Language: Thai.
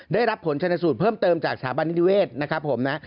ได้รับผลชนสูตรเพิ่มเติมจากสถาบันนิติเวศนะครับผมนะ